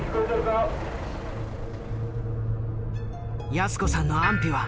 泰子さんの安否は？